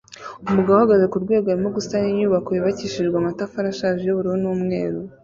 Umugabo uhagaze kurwego arimo gusana inyubako yubakishijwe amatafari ashaje yubururu n'umweru